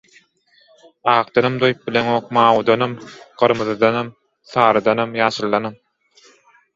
Akdanam doýup bileňok, mawudanam, gyrmyzydanam, sarydanam, ýaşyldanam…